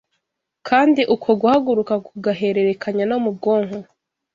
kandi uko guhaguruka kugahererekanya no mu bwonko